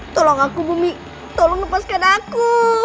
tolong aku bumi tolong lepaskan aku